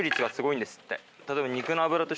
例えば。